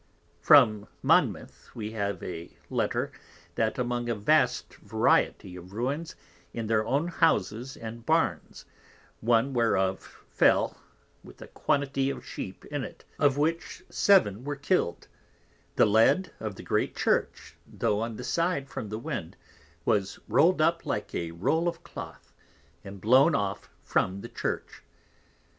_ From Monmouth _we have a Letter, that among a vast variety of Ruins, in their own Houses and Barns; one whereof fell with a quantity of Sheep in it, of which seven were kill'd: The Lead of the great Church, tho' on the side from the Wind, was roll'd up like a roll of Cloth, and blown off from the Church.